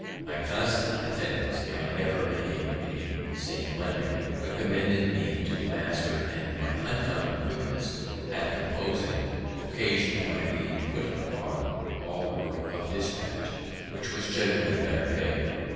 My constant attendance (I never making a St. Monday) recommended me to the master; and my uncommon quickness at composing occasioned my being put upon all work of dispatch, which was generally better paid.